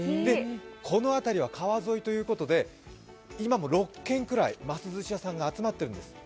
この辺りは川沿いということで、今も６軒ぐらいます寿司屋さんが集まっているんです。